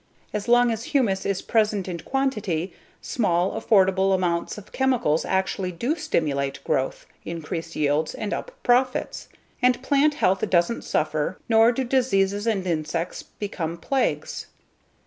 As long as humus is present in quantity, small, affordable amounts of chemicals actually do stimulate growth, increase yields, and up profits. And plant health doesn't suffer nor do diseases and insects become plagues.